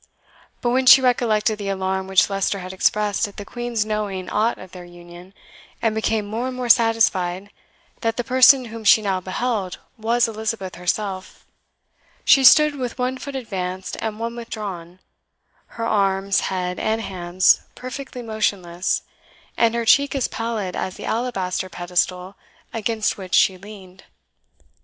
But when she recollected the alarm which Leicester had expressed at the Queen's knowing aught of their union, and became more and more satisfied that the person whom she now beheld was Elizabeth herself, she stood with one foot advanced and one withdrawn, her arms, head, and hands perfectly motionless, and her cheek as pallid as the alabaster pedestal against which she leaned.